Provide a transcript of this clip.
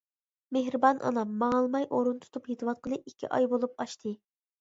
مېھرىبان ئانام ماڭالماي ئورۇن تۇتۇپ يېتىۋاتقىلى ئىككى ئاي بولۇپ ئاشتى.